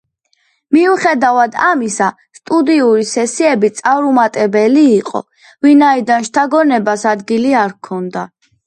მიუხედავად ამისა, სტუდიური სესიები წარუმატებელი იყო, ვინაიდან შთაგონებას ადგილი არ ჰქონდა.